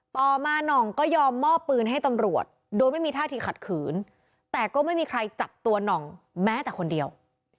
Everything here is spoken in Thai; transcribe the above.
ต่อมาหน่องก็ยอมมอบปืนให้ตำรวจโดยไม่มีท่าทีขัดขืนแต่ก็ไม่มีใครจับตัวหน่องแม้แต่คนเดียว